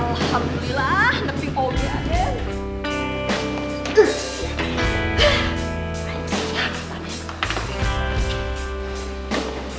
alhamdulillah lebih obatnya